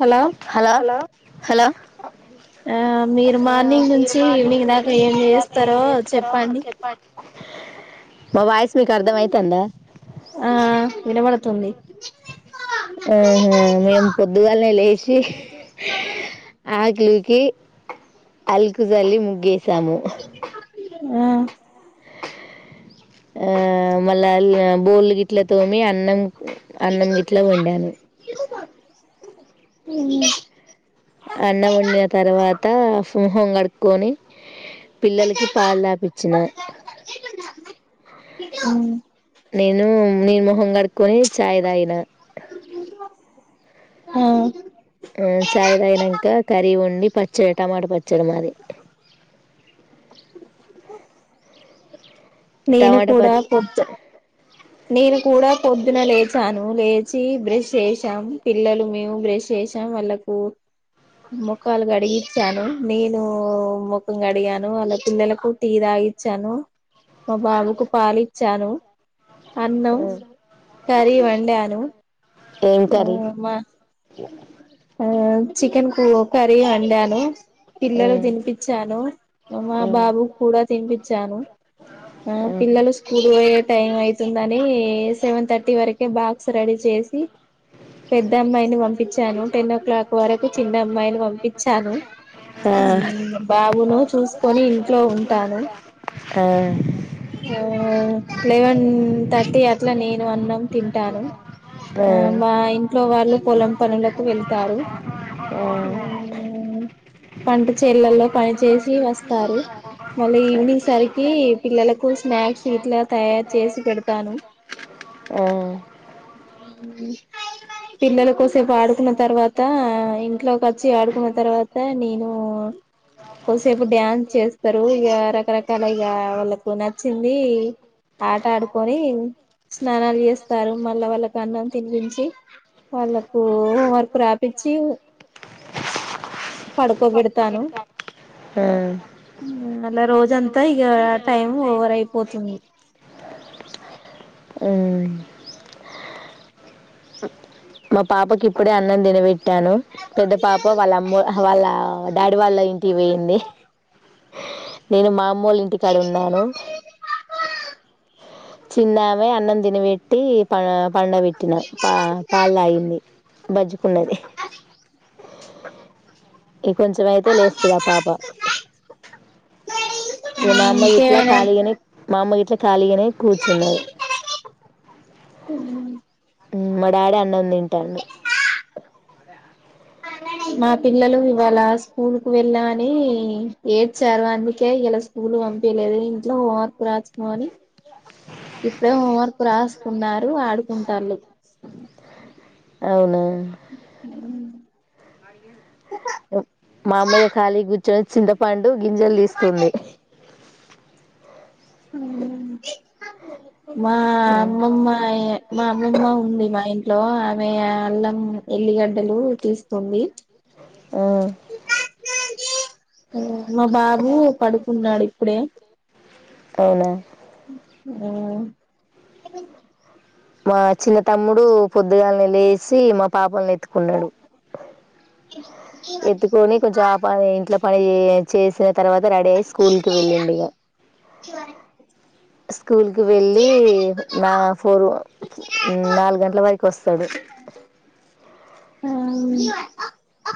Hello hello hello ఆ మీరు morning నుంచి ఈవినింగ్ దాక ఏం చేస్తారో చెప్పండి మా వాయిస్ మీక్అర్ధమైతాందా ఆ వినబడుతుంది అహ మే మ్ పోద్దున్లె లేసి ఆకిల్ కి అల్కుజల్లి ముగ్గేసాము అ అ మల్ళ బోల్ గిట్ల తొమీ అన్నం అన్నం ఇట్ల వండాను మ్ అన్నం వండిన తర్వాత మోహం కడుక్కకొని పిల్లలకి పాల్ తాపిచ్చిన ఉ నీన్ మొహం కడుక్కొని చాయ్ తాగిన ఆ ఆ చాయ్ తగినాంక కర్రీ వండి పచ్చడి టమాట పచ్చడి మాది నేను టమాటా ప కూడా పొద్దు నేను కూడా పొద్దునె లేచి బ్రేష్ చేసాం పిల్లలు నేను బ్రష్ చేసాం వాళ్ళకు ముఖాలు గడిగచ్చాను నేను ముఖం గడిగాను అలా పిల్లలకు టీ దాక్ ఇచ్చాను మా బాబుకు పాలిచ్చాను అన్నం కర్రి వండాను ఏం ఉ కర్రీ మ చికెన్ కు కర్రీ వండాను తీసుకొచ్చా మా బాబు స్కూల్లో తీసుకొచ్చా మా స్కూల్లో పోయే టైం అయిపోతుంది సెవెన్ థర్టీ వరకు బాక్స్ పిల్లలు తినిపించాను మా బాబు కూడా తినిపి చ్చాను ఆ పిల్లలు స్కూల్ పోయే టైం అయిత తుందని సెవెన్ థర్టీ వరకే బాక్స్ రెడీ చేసి పెద్దమ్మాయిని పంపించాను టెన్ ఓ క్లాక్ వరకు చిన్న అమ్మాయిని పంపించాను ఆ బాబును చూసుకొని ఇంట్లో ఉంటాను ఆ ఆ లెవెన్ థర్టీ అట్లా నేను అన్నం తింటాను ఆ మా ఇంట్లో వాళ్ళు పొలం పనులకు వెళ్తారు ఆ పంట చేలల్లో పని చేసి వస్తారు మళ్ళ ఈవినింగ్ సరికి పిల్లలకు స్నాక్స్ ఇట్ల తయారు చేసి పెడతాను అ పిల్లల కోసేపు ఆడుకున్న తర్వాతా ఇంట్లోకి వచ్చి ఆడుకున్న తర్వాత నేను కొసేపు డ్యాన్స్ చేస్తరు ఇక రకరకాల ఇక వాళ్ళకు నచ్చింది ఆట ఆడుకొని స్నానాల్ చేస్తారు మళ్ళా వాళ్ళ తినిపించి వాళ్ళకు వర్కు రాపిచ్చి పడుకోబెడతాను ఆ మళ్ళ రోజంతా ఇక టైం ఓవర్ అయిపోతుంది ఉమ్ మా పాపకి ఇప్పుడే అన్నం తినబెట్టాను పెద్ద పాప వాళ్ళ అమ్మ వాళ్ళ డాడీ వాళ్ళ ఇంటికి వోయింది నేను మా అమ్మోళ్ల ఇంటికాడ ఉన్నాను చిన్నామె అన్నం తినబెట్టి ప పండ పెట్టిన పా అయింది బజ్జుకున్నది ఇంకొంచెం అయితే లేస్తది ఆ పాప ఇంగ మా అమ్మొల్లు ఇట్ల ఇంకేమైనా ఖాళీగానే మా అమ్మొల్లు ఇట్ల ఖాళీగానే కూర్చున్నారు ఉమ్ మా డాడీ అన్నం తింటాండు మా పిల్లలు ఇవాళ స్కూల్ కు వెళ్ళమని ఏడ్చారు అందుకే ఇయ్యాల స్కూల్ పంపిలేదు ఇంట్లో హోంవర్క్ రాసుకోమని ఇప్పుడే హోంవర్క్ రాసుకున్నారు ఆడుకుంటాళ్లు అవునా ఉహూ మా అమ్మయ్య ఖాళీగ కూర్చొని చింతపండు గింజలు తీస్తుంది ఉమ్ మా అమ్మమ్మ మా అమ్మమ్మ ఉంది మా ఇం ట్లో ఆమె అల్లం ఎల్లిగడ్డలు తీస్తుంది ఆ మా బాబు పడుకున్నాడు ఇప్పుడే అవునా ఉమ్ మా చిన్న తమ్ముడు పొద్దుగాలనే లేసి మా పాపని ఎత్తుకున్నాడు ఎత్తుకొని కొంచెం ఆ పని ఇంట్లో పని చేసిన తర్వాత రెడీ అయి స్కూల్కి వెళ్ళింది ఇగ స్కూల్కి వెళ్ళి నా ఫోర్ నాలుగు గంటల వరకు వస్తాడు ఉమ్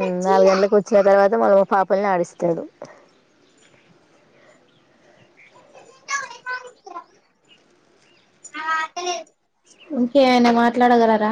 ఉమ్ నాలుగు గంటలకూ వచ్చిన తర్వాత మళ్ళ మా పాపల్ని ఆడిస్తాడు ఇంకేమైనా మాట్లాడగలరా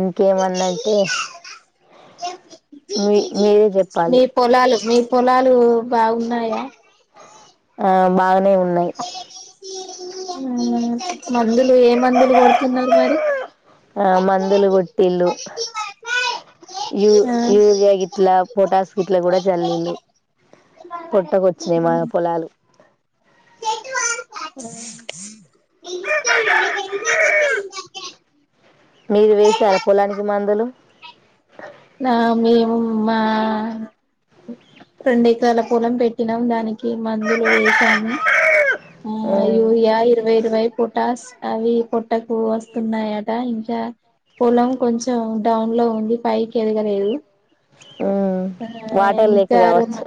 ఇంకేమన్నా అంటే ఏ మీ పొలాలు మీ పొలాలు బాగున్నాయా ఆ బాగానే ఉన్నాయి ఆ మందులు ఏ మందులు కొడుతున్నారు మరి ఆ మందులు కొట్టిల్లు యు ఆ యూరియా గిట్లా పొటాస్ గిట్లా కూడా చల్లిల్లు పొట్టకొచ్చినయి మా పొలాలు కే ఆ మీరు వేసారా పొలానికి మందులు నా మేము మా రెండు ఎకరాల పొలం పెట్టినాము దానికి మందులు వేసాము ఆ యూరియా ఇరవై ఇరవై పొటాష్ అవి పొట్టకు వస్తున్నాయా ట ఇంకా పొలం కొంచెం డౌన్ లో ఉంది ఫైవ్ ఎదగలేదు మ్మ్ ఆ వాటర్ లేక ఇంకా రె కావచ్చు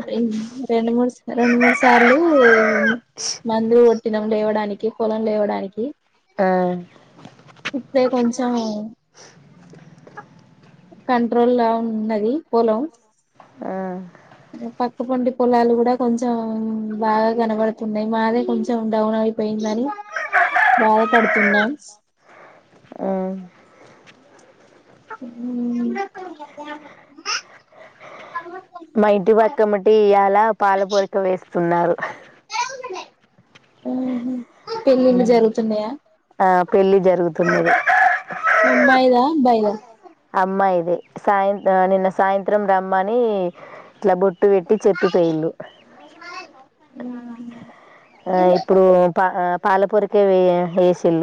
రెండు మూడు రెండు మూడు సార్లు మందు కొట్టినాము లేవడానికి పొలం లేవడానికి ఆ ఇప్పుడే కొంచం కంట్రోల్ లా ఉన్నది పొలం ఆ పక్క పండి పోలాలు కూడా కొంచెం బాగా కనబడుతున్నాయి మాదే కొంచెం డౌన్ అయిపోయిందని బాధపడుతున్నాం ఆ హ్మ్మ్ మ ఇటి పక్క మటి అలా పాల పూరిక వేస్తున్నారు ఆ పెళ్ళిళ్ళు జరుగుతున్నాయా ఆ పెళ్లి జరుగు అమ్మాయిద అబ్బాయిద అమ్మాయిది ఇది సాయంత నిన్న సాయంత్రం రమ్మని ఇట్లా బుట్ బొట్టు పెట్టి చెప్పిపోయిళు ఆ ఇప్పుడు పా పాలపొరికే వే వేసిల్ళ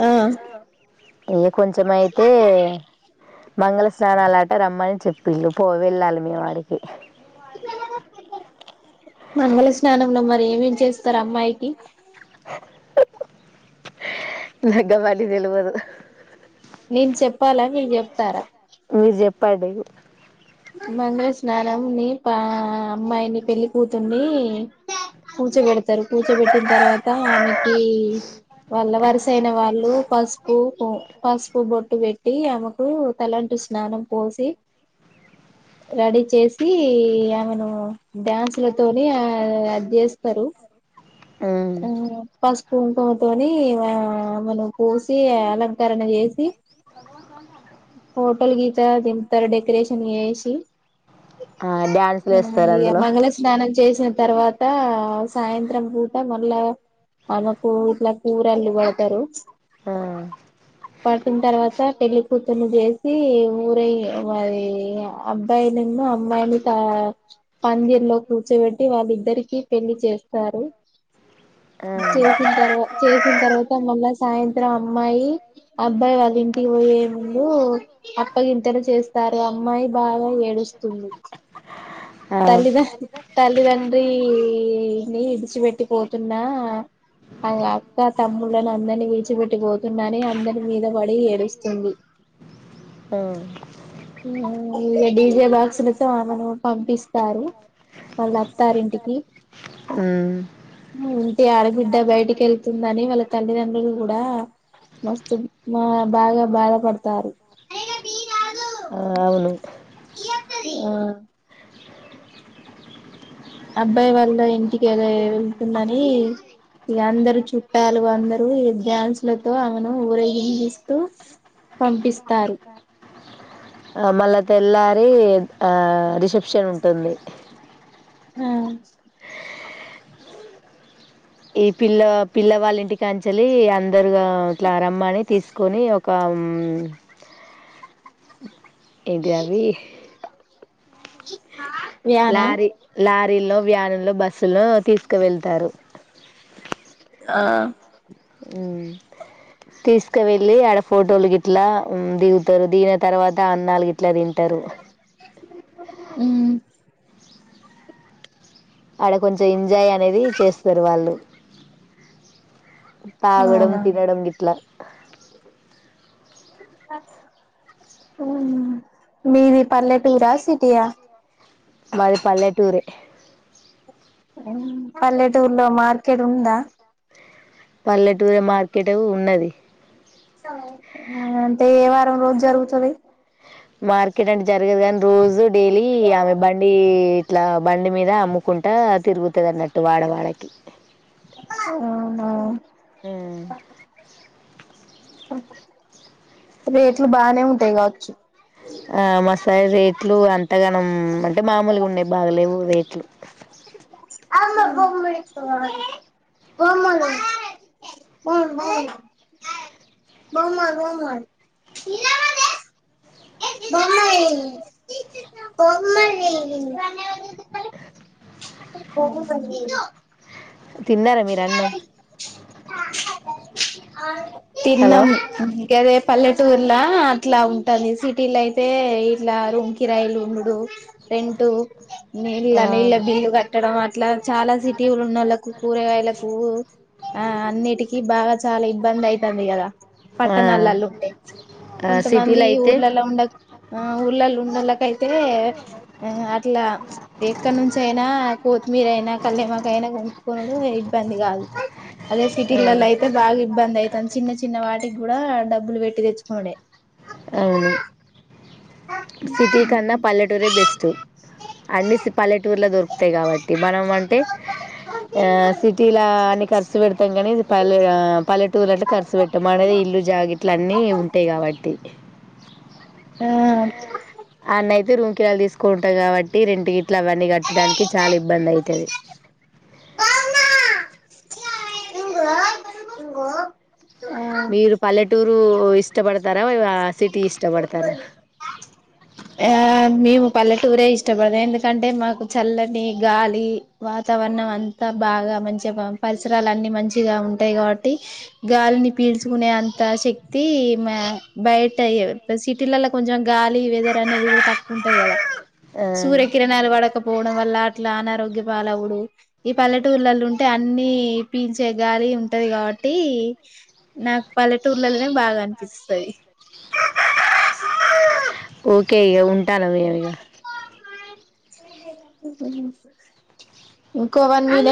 ఆ ఏ కొంచెము అయితే మంగళ స్నానాలట రమ్మని చెప్పిళ్ళు పో వెళ్ళాలి మేము ఆడికి మంగళ స్నానంలో మరి ఏమేం చేస్తారు అమ్మాయికి నగ్గా అవన్నీ తెలవదు నేను చెప్పాలా మీరు చెప్తారా మీరు చెప్పడి మంగళ స్నానం నీ పా అమ్మాయిని పెళ్లి కూతుర్ని పూచ పెడతారు పూచ పెట్టిన తర్వాత ఆమెకి వాళ్ళ వరిసయిన వాళ్ళు పసుపు పసుపు బొట్ టు పెట్టి ఆమెకు తలంటు స్నానం పోసి రడీ చేసి ఆమెను డ్యాన్స్లతోని ఆ అది చేస్తారు హ్మ్. ఆ పసుపు కుంకమంతోని ఆ మనం పోసి అలంకర అలంకరణ చేసి హోటోల్ గీత తితార డెకరేషన్ చేసి ఆ! డాన్సులు ఆ ఏస్తారు ఈ అందులో. మంగళ స్నానం చేసిన తర్వాత సాయంత్రం సద్రం పూట మళ్ళా ఆమెకు ఇట్లా కూరళ్ళలు పడతారు ఆ పడుటిన తర్వాత పెళ్లి కూూతుని చేసి ఊరయ్య వరి అబ్బాయిన్న అమ్మాయిని ప పందిర్ లో కూర్చ వాళ్ళిద్దరికి పెళ్లి చేస్తారు ఆ! చేసిన తర్వాత చేసిన తర్వాత మళా సాయంత్రం అమ్మాయి అబ్బాయి వాళ్ళ ఇంటికి పోయే ముందు అప్పగింతెన చేస్తారు అమ్మాయి బాగా ఏడుస్తుంది ఆ! తల్లిద తల్లిదండ్రిని ఇడిచిపెట్టి పోతున్నా ఆ అక్క తమ్ముళ్ళని అందరినీ విడిచిపెట్టి పోతున్నానే అందరి మీద పడి ఏడుస్తుంది ఆ! డీజే బాక్స్ లతో పంపిస్తారు వాళ్ళ అత్తారింటికి హ్మ్మ్ ఇంటి ఆడబిడ్డ బయటికి వెళ్తుందని వాళ్ళ తల్లిదండ్రులు కూడా మస్తు మా బాగా బాధపడతారు ఆ అవును. ఆ అబ్బాయి వాళ్ళ ఇంటికి ఏదో వెళ్తుందని ఇక అందరు చుట్టాలు అందరూ ఈ డ్యాన్సులతో ఆమెను ఊరేగిందిస్తూ పంపిస్తారు ఆ మళ్ళా తెల్లారి ఆ రిసెప్షన్ ఉంటుంది హమ్ ఈ పిల్ల పిల్ల వాళ్ళ ఇంటికి కనుంచెలి అందరుగా ఇట్లా రమ్మని తీసుకొని ఒక అమ్ అ ఎంటిది అవి వ్యానా లారి లారి రి వ్యానులో బస్సులో తీసుకు వెళ్తారు ఆ అమ్ తీసుకు వెెళ్లి ఆడ ఫోటోలు గిట్లా దిగుతారు దిగిన తర్వాత ఆ అన్నలు గట్లా తింటారు చదువు అమ్ ఆడ కొంచెం ఎంజాయ్ అనేది చేస్తారు వాళ్ళు తాగడం అవునా తినడం గిట్లా బ ఉమ్ మీది పల్లెటూరా సిటీయా మాది పల్లెటూరే పల్లెటూర్లో మార్కెట్ ఉందా పల్లెటూరు మార్కెట్ ఏ ఉన్నది ఆ అంటే ఏ వారం రోజు జరుగుతది మార్కెట్ అంటే జరగది కాని రోజు డైలీ ఆమె బండి ఇట్లా బండి మీద అమ్ముకుంటా తిరుగుతుంది అన్నట్టు వాడవాడకి అవునా రేట్లు బానే ఉంటాయి కావచ్చు ఆ మాసారి రేట్లు అంతగానం అంటే మామూలుగా ఉండేవి బాగలేవు రేట్లు అమ బొమ్ మడ బ బ బౌ మర్ బ మర్ బాయ్ పో తిన్నారా మీరు అన్నం హలో తిన్నంగాదే పల్లెటూర్లా అట్లా ఉంటది సిటీలో అయితే ఇట్లా రూమ్ కిరాయిలు ఉండవ్ రెంటు నీళ్ళ ఆ నీళ్ళ బిల్లు కట్టడం అట్లా చాలా సిటీలో ఉనోళ్లకు కూరగాయలకు పువ్వు ఆ అన్నిటికి బాగా చాలా ఇబ్బంది అయితది కదా ఆ పట్టణాలల్లో ఉంటే ఆ కొంత మంది సిటీలో అయితే ఊర్లలా ఉండ ఆ ఊర్లల్ల ఉండళ్ళకైతే ఆ అట్లా ఎక్కడ నుంచి అయినా కొత్తిమీర అయినా కరపాకు అయినా కొనుక్కునుడు ఇబ్బంది కాదు అదే ఆ సిటీలల్లో ఐతే బాగా ఇబ్బంది అయితంది చిన్న చిన్న వాటికి గూడా డబ్బులు పెట్టి తెచ్చుకొనుడే అవును సిటీ కన్నా పల్లెటూరే బెస్ట్ అన్ని సి పల్లెటూర్లో దొర్ అంతే కాబట్టి మనం అంటే ఆ సిటీలా అన్ని ఖర్చు పెడతాం కానీ పల్లె ఆ పల్లె టూర్లో అంటే కర్సు పెట్టాం ఆడనే ఇల్లు జాగిట్లు అన్నీ ఉంటాయి కాబట్టి ఆ ఆన్నయితే రూంకిరాయిలు తీసుకుంటారు కాబట్టి రెంటు గిట్లవన్నీ కట్టడానికి చాలా ఇబ్బంది అయితది [unintelligible] మీరు పల్లెటూరు ఇష్టపడతారా వెవా సిటీ ఇష్టపడతారా యా మేము పల్లెటూరే ఇష్టపడతాం ఎందుకంటే మాకు చల్లని గాలి వాతావరణం అం అంత బాగా మంచిగా మ పరిసరాలన్ని మంచిగా ఉంటాయి కాబట్టి గాలిని పీల్చుకునే అన్ త శక్తి మే బయట య సిటీలల కొంచెం గాలి వెదర్ ద అనేది కూడా తక్కువ ఉంటది కదా ఆ, సూర్య కిరణాలు పడకపోవడం వల్ల అట్లా అనారోగ్యం పాలవుడు ఈ పల్లెటూర్లల్లో ఉంటే అన్ని పీల్చే గాలి ఉంటది కాబట్టి నాక్ ప పల్లెటూర్లలోనే బాగా అనిపిస్తది ఓకే ఇగ ఉంటాను ఇగ మ్మ్ ఇంకో వన్ మినిట్